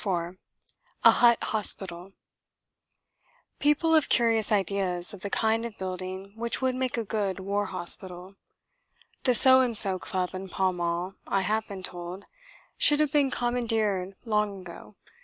IV A "HUT" HOSPITAL People have curious ideas of the kind of building which would make a good war hospital. "The So and So Club in Pall Mall," I have been told, "should have been commandeered long ago.